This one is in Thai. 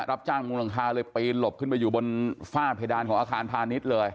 รับจ้างมุงหลังคาเลยปีนหลบขึ้นไปอยู่บนฝ้าเพดานของอาคารพาณิชย์เลย